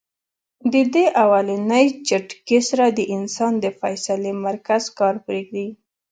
د دې اولنۍ جټکې سره د انسان د فېصلې مرکز کار پرېږدي -